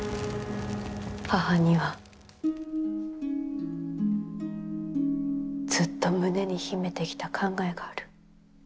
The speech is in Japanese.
母にはずっと胸に秘めてきた考えがある。